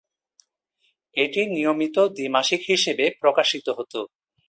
এটি নিয়মিত দ্বি মাসিক হিসেবে প্রকাশিত হত।